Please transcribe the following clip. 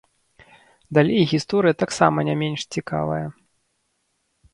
Далей гісторыя таксама не менш цікавая.